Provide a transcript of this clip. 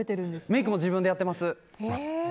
メイクも自分でやってます。